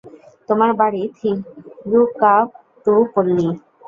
তোমার বাড়ি থিরুকাট্টুপল্লী?